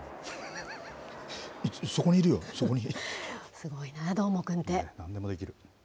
すごいな、どーもくんって。